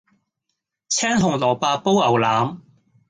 青紅蘿蔔煲牛腩